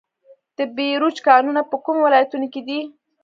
د بیروج کانونه په کومو ولایتونو کې دي؟